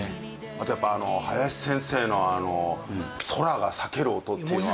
あとやっぱ林先生の「空が裂ける音」っていうのが。